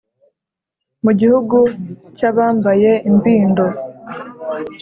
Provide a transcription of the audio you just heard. Mu gihugu cyabambaye imbindo